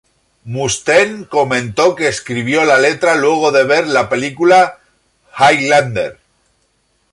Mustaine comentó que escribió la letra luego de ver la película "Highlander".